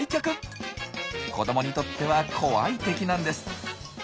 子どもにとっては怖い敵なんです。